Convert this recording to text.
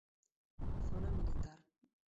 Zona Militar.